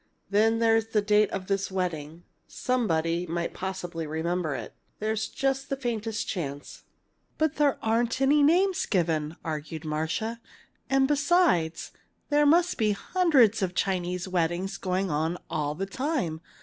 Then there's the date of this wedding. Somebody might possibly remember it. There's just the faintest chance." "But there aren't any names given," argued Marcia. "And besides, there must be hundreds of Chinese weddings going on all the time.